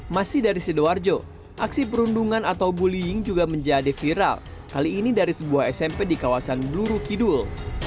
masih dari sidoarjo aksi perundungan atau bullying juga menjadi viral kali ini dari sebuah smp di kawasan bluru kidul